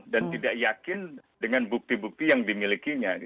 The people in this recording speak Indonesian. dan tidak yakin dengan bukti bukti yang dimilikinya